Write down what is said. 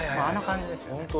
あの感じですよね。